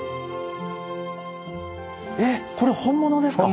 えっこれ本物ですか？